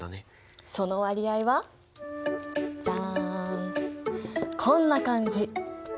その割合はじゃん！こんな感じ。